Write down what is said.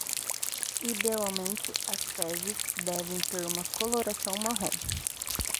Idealmente, as fezes devem ter uma coloração marrom